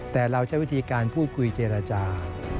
แต่เราใช้วิธีการพูดคุยเจรจา